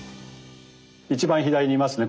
一番左にいますね。